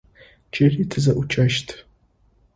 Джыри тызэӏукӏэщт.